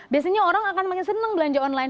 biasanya orang akan makin senang belanja online